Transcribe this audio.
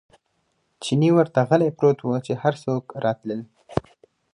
چیني ورته غلی پروت و، چې هر څوک راتلل.